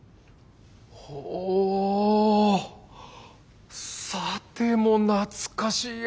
ほうさても懐かしや。